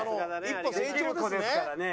一歩成長ですね。